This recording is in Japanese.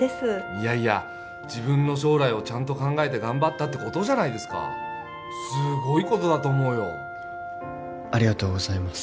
いやいや自分の将来をちゃんと考えて頑張ったってことじゃないですかすごいことだと思うよありがとうございます